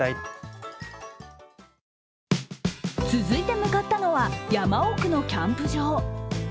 続いて向かったのは、山奥のキャンプ場。